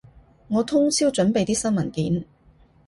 我通宵準備啲新文件